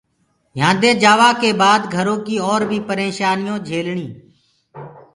يهآنٚدي جآوآ ڪي بآد گھرو ڪيٚ اور پريشآنيٚون جھيلڻينٚ